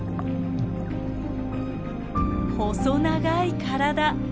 細長い体。